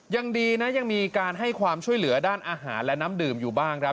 ยังดีนะยังมีการให้ความช่วยเหลือด้านอาหารและน้ำดื่มอยู่บ้างครับ